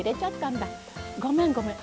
ごめんごめん。